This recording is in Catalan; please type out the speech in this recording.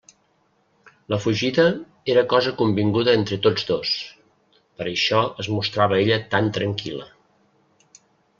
La fugida era cosa convinguda entre tots dos: per això es mostrava ella tan tranquil·la.